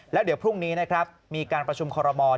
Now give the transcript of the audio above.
แล้วเดี๋ยวพรุ่งนี้นะครับมีการประชุมคอรมอล